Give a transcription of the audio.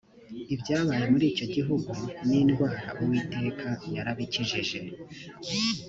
ibyabaye muri icyo gihugu n’indwara uwiteka yarabikijijej